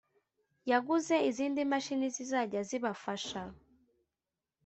Yaguze izindi mashini zizajya zibafasha